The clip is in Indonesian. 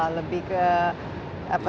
pemimpin semacam apa